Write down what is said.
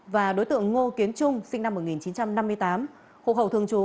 và đối tượng ngô kiến trung sinh năm một nghìn chín trăm năm mươi tám hộ khẩu thường trú